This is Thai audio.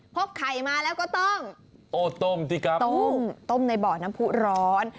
พกไข่มาแล้วก็ต้มต้มในบ่อน้ำภูร้อน